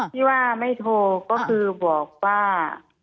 ที่ว่าไม่โทรก็คือบอกว่า